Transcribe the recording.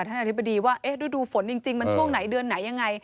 อธิบดีว่าฤดูฝนจริงมันช่วงไหนเดือนไหนยังไง